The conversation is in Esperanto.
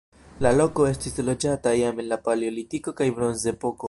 La loko estis loĝata jam en la paleolitiko kaj bronzepoko.